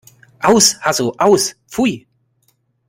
Aus! Hasso, aus! Pfui!